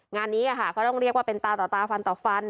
งานนี้ก็ต้องเรียกว่าเป็นตาต่อตาฟันต่อฟัน